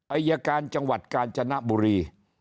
อายการจังหวัดกาญจนบุรี